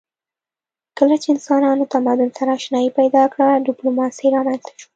کله چې انسانانو تمدن سره آشنايي پیدا کړه ډیپلوماسي رامنځته شوه